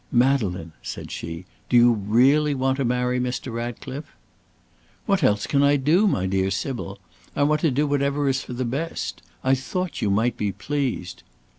"Madeleine," said she, "do you really want to marry Mr. Ratcliffe?" "What else can I do, my dear Sybil? I want to do whatever is for the best. I thought you might be pleased."